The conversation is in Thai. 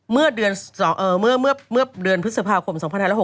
เมื่อเดือนพฤษภาคม๒๕๖๖